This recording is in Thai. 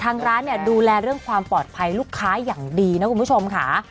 ทางร้านเนี่ยดูแลเรื่องความปลอดภัยลูกค้าอย่างดีนะคุณผู้ชมค่ะ